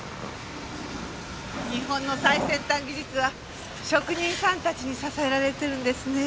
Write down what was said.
日本の最先端技術は職人さんたちに支えられてるんですね。